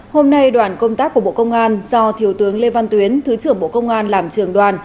hôm nay đoàn công tác của bộ công an do thiếu tướng lê văn tuyến thứ trưởng bộ công an làm trường đoàn